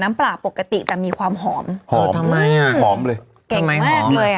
ปลาปกติแต่มีความหอมหอมทำไมอ่ะหอมเลยเก่งมากเลยอ่ะ